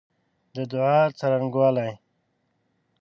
د دعا څرنګوالی